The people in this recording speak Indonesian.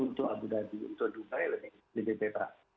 untuk abu dhabi untuk dubai lebih lebih beba